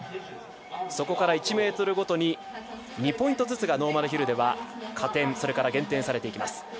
そこから１ｍごとに２ポイントずつがノーマルヒルが加点、それから減点されていきます。